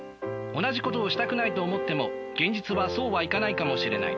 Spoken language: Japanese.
同じことをしたくないと思っても現実はそうはいかないかもしれない。